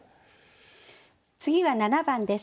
次は７番です。